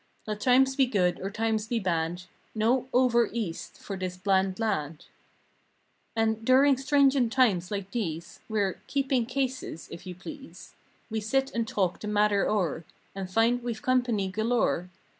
Let times be good or times be bad No "over East" for this bland lad. And during stringent times like these, We're "keeping cases," if you please. We sit and talk the matter o'er And find we've company galore.